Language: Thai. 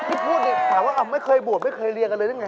พี่พูดสิแต่ว่าไม่เคยบวชไม่เคยเรียกกันเลยนั่นไง